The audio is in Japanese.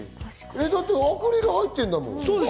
だってアクリル入ってるんだもん。